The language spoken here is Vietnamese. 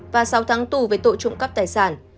và sáu tháng tù về tội trộm cắp tài sản